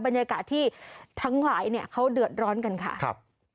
บรรยากาศที่ทั้งหลายเนี่ยเขาเดือดร้อนกันค่ะครับ